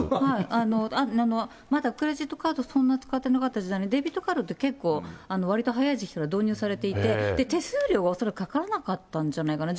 まだクレジットカード、そんな使ってなかった時代に、デビットカードって結構、わりと早い時期から導入されていて、手数料、恐らくかからなかったんじゃないかな。